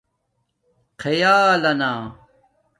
خِیالنا